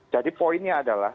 jadi poinnya adalah